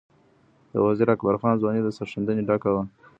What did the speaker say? د وزیر اکبر خان ځواني د سرښندنې ډکه وه.